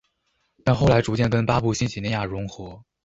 但后来逐渐跟巴布亚新几内亚融合。